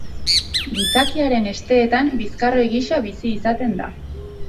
Gizakiaren hesteetan bizkarroi gisa bizi izaten da.